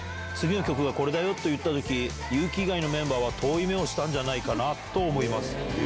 次の曲がこれだよと言ったとき、ＹＵーＫＩ以外のメンバーは遠い目をしたんじゃないかなと思います。